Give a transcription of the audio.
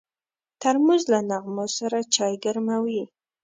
ترموز له نغمو سره چای ګرموي.